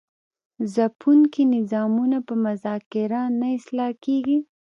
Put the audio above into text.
ځپونکي نظامونه په مذاکره نه اصلاح کیږي.